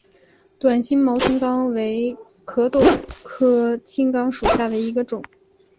短星毛青冈为壳斗科青冈属下的一个种。